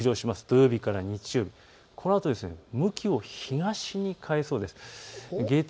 土曜日から日曜日、このあと向きを東に変えそうです。